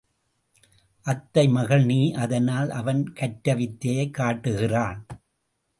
அத்தை மகள் நீ அதனால் அவன் கற்றவித்தையைக் காட்டுகிறான்.